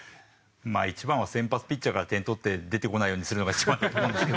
まあ一番は先発ピッチャーから点取って出てこないようにするのが一番だと思うんですけど。